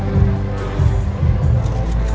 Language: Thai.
สโลแมคริปราบาล